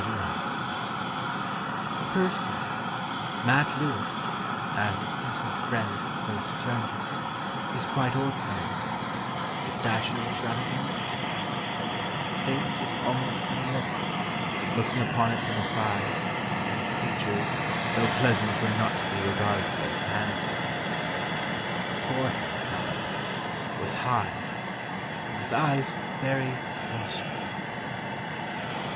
] "In person, Mat Lewis (as his intimate friends at first termed him) was quite ordinary; his stature was rather diminutive; his face was almost an ellipse, looking upon it from the side, and his features though pleasant were not to be regarded as handsome. His forehead, however, was high and his eyes very lustrous."